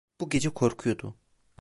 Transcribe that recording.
Bu gece korkuyordu.